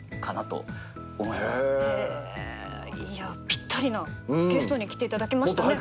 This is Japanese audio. ぴったりなゲストに来ていただきましたね。